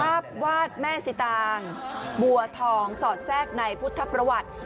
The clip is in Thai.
ภาพวาดแม่สิตางบัวทองสอดแทรกในพุทธประวัติ